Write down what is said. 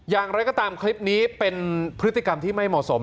อย่างไรก็ตามคลิปนี้เป็นพฤติกรรมที่ไม่เหมาะสม